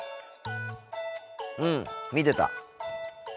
うん見てた。